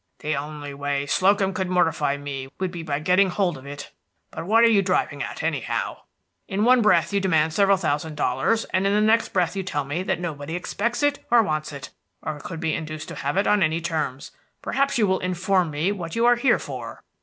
"The only way Slocum could mortify me would be by getting hold of it. But what are you driving at, anyhow? In one breath you demand several thousand dollars, and in the next breath you tell me that nobody expects it, or wants it, or could be induced to have it on any terms. Perhaps you will inform me what you are here for?"